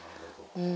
うん。